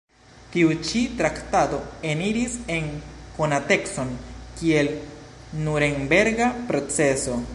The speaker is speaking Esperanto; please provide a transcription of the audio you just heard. Tiu ĉi traktado eniris en konatecon kiel Nurenberga proceso.